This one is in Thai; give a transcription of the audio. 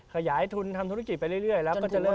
ขยายทุนทำธุรกิจไปเรื่อยแล้วก็จะเริ่ม